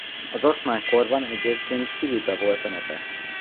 Az oszmán korban egyébként Filibe volt a neve.